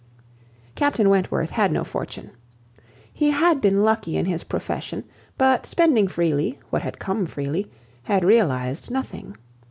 Captain Wentworth had no fortune. He had been lucky in his profession; but spending freely, what had come freely, had realized nothing.